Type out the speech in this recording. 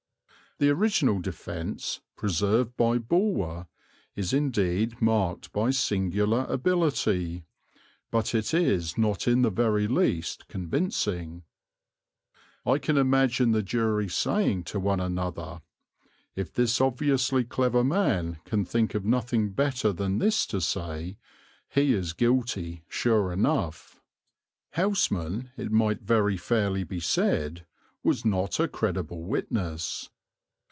The original defence, preserved by Bulwer, is indeed marked by singular ability; but it is not in the very least convincing. I can imagine the jury saying to one another: "If this obviously clever man can think of nothing better than this to say, he is guilty sure enough." Houseman, it might very fairly be said, was not a credible witness.